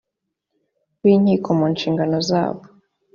b inkiko mu nshingano zayo